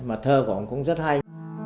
mà thơ của ông cũng rất hay